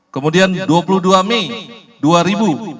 kemudian dua puluh dua mei dua ribu dua puluh